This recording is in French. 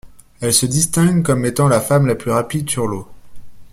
Elle se distingue comme étant la femme la plus rapide sur l'eau.